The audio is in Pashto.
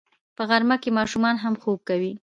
په غرمه کې ماشومان هم خوب کوي